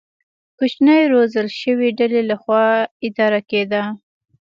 کوچنۍ روزل شوې ډلې له خوا اداره کېده.